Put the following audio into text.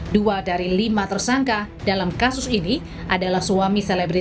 dua dari lima tersangka dalam kasus ini adalah suami selebri